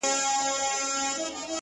هر گړى خــوشـــالـــه اوســـــــــــې،